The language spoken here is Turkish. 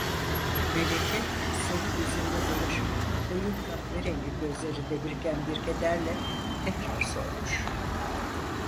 Melike soluk yüzünde dolaşıp koyu kahverengi gözlerinde biriken bir kederle tekrar sormuş: